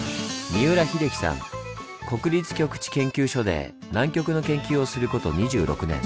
国立極地研究所で南極の研究をすること２６年。